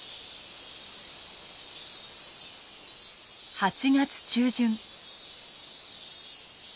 ８月中旬。